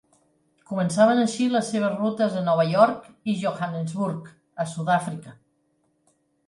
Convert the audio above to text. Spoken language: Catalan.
Començaven així les seves rutes a Nova York i Johannesburg, a Sud-àfrica.